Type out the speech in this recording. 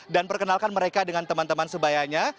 dan perkenalkan mereka dengan teman teman sebayanya